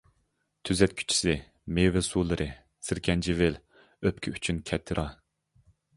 تۈزەتكۈچىسى: مېۋە سۇلىرى، سىركەنجىۋىل، ئۆپكە ئۈچۈن كەتىرا.